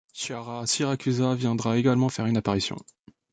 Chiara Siracusa viendra également faire une apparition.